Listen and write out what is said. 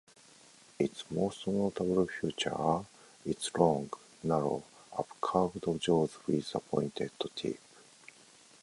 Its most notable feature are its long, narrow, upcurved jaws with a pointed tip.